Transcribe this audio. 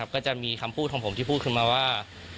ก็จะมีคำพูดของผมที่พูดขึ้นมาว่า